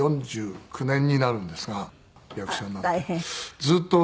４９年になるんですが役者になって。